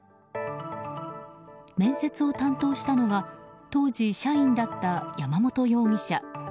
面接を担当したのが当時、社員だった山本容疑者。